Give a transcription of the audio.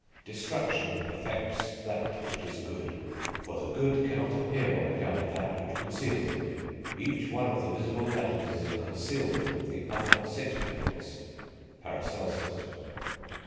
"Destruction perfects that which is good; for the good cannot appear on account of that which conceals it.... Each one of the visible metals is a concealment of the other six metals." (Paracelsus.)